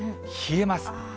冷えます。